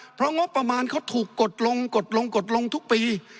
เพราะงบประมาณเขาถูกกดลงกดลงกดลงทุกปี